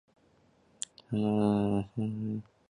充当日本军队的性奴隶